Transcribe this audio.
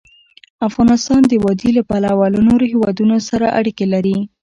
افغانستان د وادي له پلوه له نورو هېوادونو سره اړیکې لري.